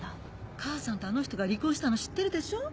母さんとあの人が離婚したの知ってるでしょ？